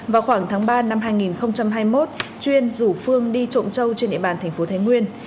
vào khoảng tháng ba năm hai nghìn hai mươi một chuyên rủ phương đi trộm trâu trên địa bàn thành phố thái nguyên